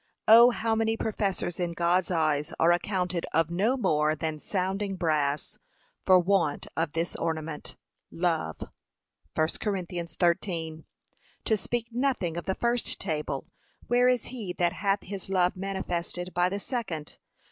O how many professors, in God's eyes, are accounted of no more than sounding brass, for want of this ornament, love! (1 Cor 13) To speak nothing of the first table, where is he that hath his love manifested by the second?